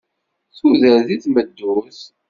Tudert i tmeddurt!